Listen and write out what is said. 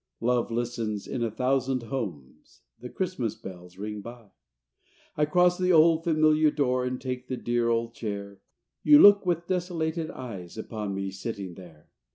Love listens in a thousand homes, The Christmas bells ring by. I cross the old familiar door And take the dear old chair. You look with desolated eyes Upon me sitting there.